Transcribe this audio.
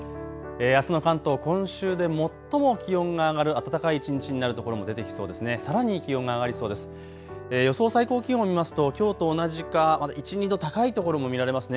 あすの関東、今週で最も気温が上がる暖かい一日になるところも出てきそうですね。